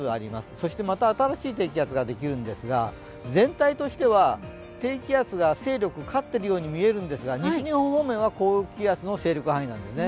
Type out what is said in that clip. そしてまた新しい低気圧ができるんですが全体としては低気圧が勢力、勝っているように見えるんですが、西日本方面は高気圧の勢力範囲なんですね。